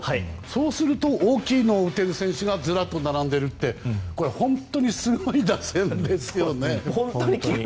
そうすると、大きいのを打てる選手がずらっと並んでいるって本当にすごい打線ですね。